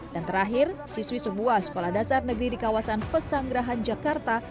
dan terakhir siswi sebuah sekolah dasar negeri di kawasan pesanggerahan jakarta